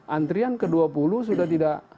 antrian ke dua puluh sudah tidak